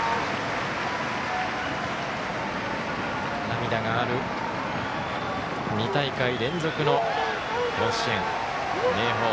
涙がある２大会連続の甲子園、明豊。